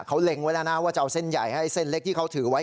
เขาเล็งไว้แล้วนะว่าจะเอาเส้นใหญ่ให้เส้นเล็กที่เขาถือไว้